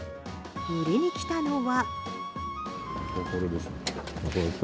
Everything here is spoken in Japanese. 売りに来たのは。